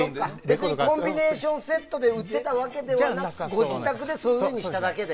別にコンビネーションセットで売ってたわけではなくご自宅でそういうふうにしただけで。